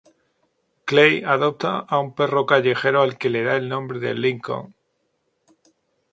Clay adopta a un perro callejero al que le da el nombre de Lincoln.